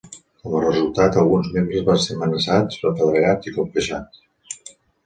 Com a resultat, alguns membres van ser amenaçats, apedregats i colpejats.